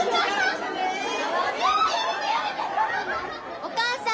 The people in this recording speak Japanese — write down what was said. お母さん！